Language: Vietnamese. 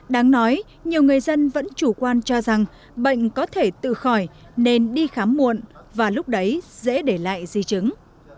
đáng nói nhiều người dân vẫn chủ quan cho rằng bệnh có thể tự khỏi nên đi khám muộn và lúc đấy dễ để lại di chứng